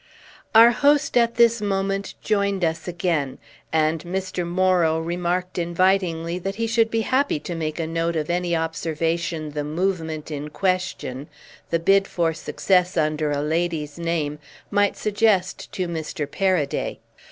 Our host at this moment joined us again, and Mr. Morrow remarked invitingly that he should be happy to make a note of any observation the movement in question, the bid for success under a lady's name, might suggest to Mr. Paraday.